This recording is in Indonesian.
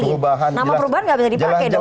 nama perubahan enggak bisa dipakaikan